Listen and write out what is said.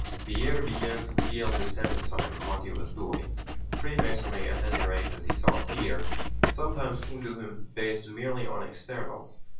Pierre began to feel dissatisfied with what he was doing. Freemasonry, at any rate as he saw it here, sometimes seemed to him based merely on externals.